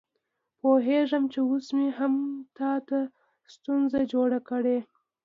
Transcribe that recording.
پوهېږم چې اوس مې هم تا ته ستونزه جوړه کړې.